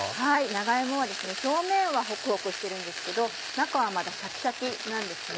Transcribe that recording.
長芋は表面はホクホクしてるんですけど中はまだシャキシャキなんですね。